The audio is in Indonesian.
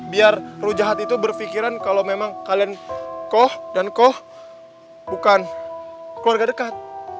biar rujahat itu berfikiran kalau memang kalian koh dan koh bukan keluarga dekat